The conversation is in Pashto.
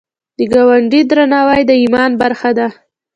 د ګاونډي درناوی د ایمان برخه ده